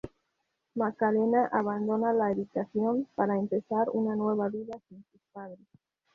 Macarena abandona la habitación para empezar una nueva vida sin sus padres.